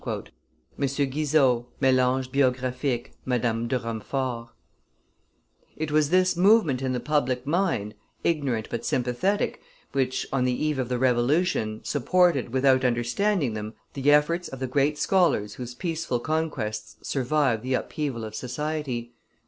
Guizot, Melanges biographiques, Madame de Rumford]. [Illustration: Lavoisier 465] It was this movement in the public mind, ignorant but sympathetic, which, on the eve of the Revolution, supported, without understanding them, the efforts of the great scholars whose peaceful conquests survived the upheaval of society.